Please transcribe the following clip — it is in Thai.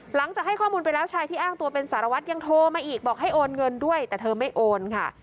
หลังจากให้ข้อมูลไปแล้วชายที่อ้างตัวเป็นสารวัตรยังโทรมาอีกบอกให้โอนเงินด้วยแต่เธอไม่โอนค่ะ